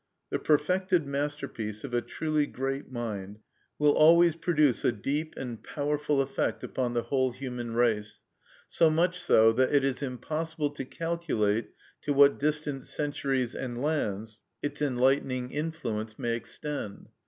The perfected masterpiece of a truly great mind will always produce a deep and powerful effect upon the whole human race, so much so that it is impossible to calculate to what distant centuries and lands its enlightening influence may extend.